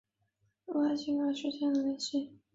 卢卡奇也虑及理论与实践的联系。